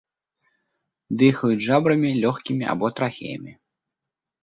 Дыхаюць жабрамі, лёгкімі або трахеямі.